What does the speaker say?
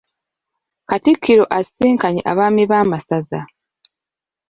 Katikkiro asisinkanye Abaami b'amasaza.